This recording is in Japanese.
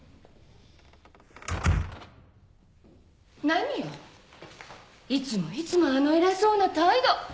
何よいつもいつもあの偉そうな態度！